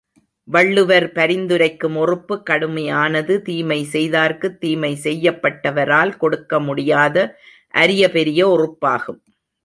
வள்ளுவர் பரிந்துரைக்கும் ஒறுப்பு கடுமையானது தீமை செய்தார்க்குத் தீமை செய்யப்பட்டவரால் கொடுக்க முடியாத அரிய பெரிய ஒறுப்பாகும்.